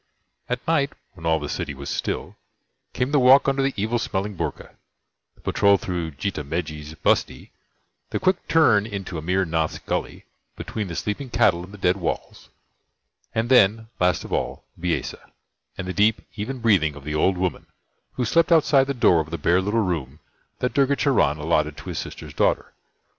At night, when all the City was still, came the walk under the evil smelling boorka, the patrol through Jitha Megji's bustee, the quick turn into Amir Nath's Gully between the sleeping cattle and the dead walls, and then, last of all, Bisesa, and the deep, even breathing of the old woman who slept outside the door of the bare little room that Durga Charan allotted to his sister's daughter.